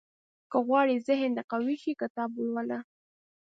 • که غواړې ذهن دې قوي شي، کتاب ولوله.